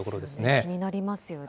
気になりますよね。